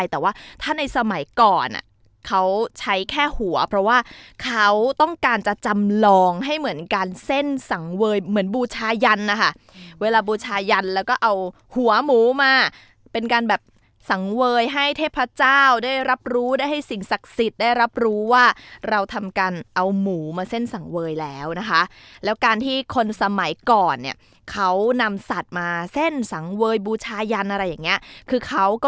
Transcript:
แต่ว่าถ้าในสมัยก่อนเขาใช้แค่หัวเพราะว่าเขาต้องการจะจำลองให้เหมือนการเส้นสังเวยเหมือนบูชายันนะคะเวลาบูชายันแล้วก็เอาหัวหมูมาเป็นการแบบสังเวยให้เทพเจ้าได้รับรู้ได้ให้สิ่งศักดิ์สิทธิ์ได้รับรู้ว่าเราทำการเอาหมูมาเส้นสังเวยแล้วนะคะแล้วการที่คนสมัยก่อนเนี่ยเขานำสัตว์มาเส้นสังเวยบูชายันอะไรอย่างเงี้ยคือเขาก็